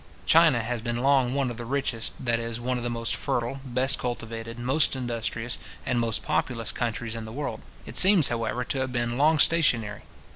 China has been long one of the richest, that is, one of the most fertile, best cultivated, most industrious, and most populous, countries in the world. It seems, however, to have been long stationary.